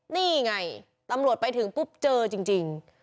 นี่ไงตำรวจไปถึงปุ๊บเจอจริง